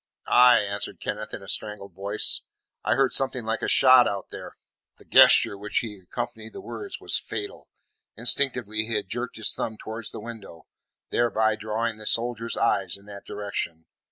"Aye," answered Kenneth, in a strangled voice, "I heard something like a shot out there." The gesture with which he accompanied the words was fatal. Instinctively he had jerked his thumb towards the window, thereby drawing the soldier's eyes in that direction.